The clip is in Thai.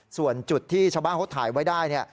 ส่วนจุดที่ชาวบ้านเขาถ่ายไว้ได้เนี่ย